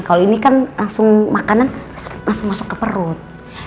kalau ini kan langsung makanan langsung masuk ke perut